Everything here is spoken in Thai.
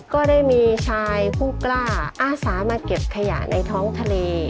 ก็ได้มีชายผู้กล้าอาสามาเก็บขยะในท้องทะเล